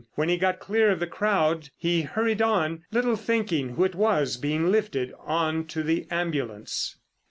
When he got clear of the crowd he hurried on, little thinking who it was being lifted on to the ambulance.